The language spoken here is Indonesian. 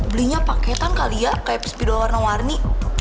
belinya paketan kali ya kayak spidol warna warni